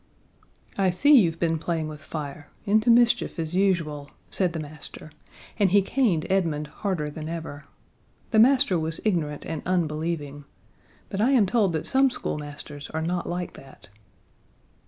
"I see you've been playing with fire into mischief as usual," said the master, and he caned Edmund harder than ever. The master was ignorant and unbelieving: but I am told that some schoolmasters are not like that.